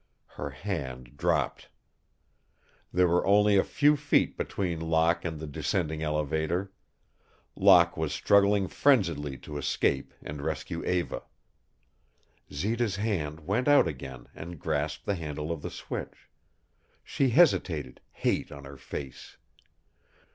Her hand dropped. There were only a few feet between Locke and the descending elevator. Locke was struggling frenziedly to escape and rescue Eva. Zita's hand went out again and grasped the handle of the switch. She hesitated, hate on her face.